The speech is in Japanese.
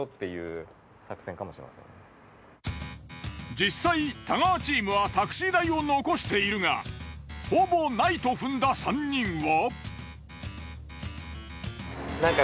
実際太川チームはタクシー代を残しているがほぼないと踏んだ３人は。